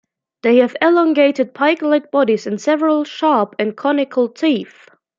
They have elongated, pike-like bodies, and several sharp and conical teeth.